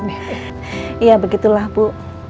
iya begitulah bu